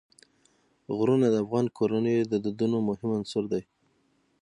غرونه د افغان کورنیو د دودونو مهم عنصر دی.